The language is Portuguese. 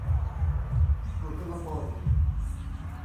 protelatório